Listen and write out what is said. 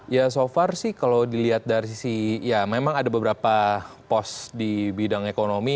ya so far sih kalau dilihat dari sisi ya memang ada beberapa pos di bidang ekonomi